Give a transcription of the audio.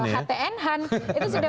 htnh itu sudah